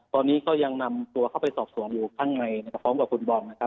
ตอนนี้ก็ยังนำตัวเข้าไปสอบสวนอยู่ข้างในกับคุณบอลนะครับยังไม่ได้ออกมานะครับ